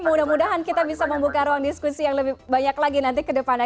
mudah mudahan kita bisa membuka ruang diskusi yang lebih banyak lagi nanti ke depannya